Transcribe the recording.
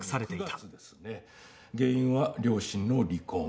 原因は両親の離婚。